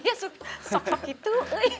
iya sokak gitu